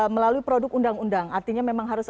melalui produk undang undang artinya memang harus